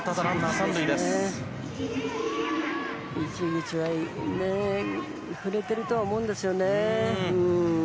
市口は振れていると思うんですよね。